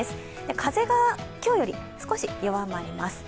風が今日より少し弱まります。